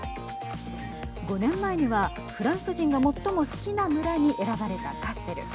５年前にはフランス人が最も好きな村に選ばれたカッセル。